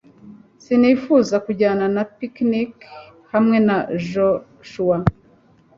sinifuza kujyana na picnic hamwe na Joshua.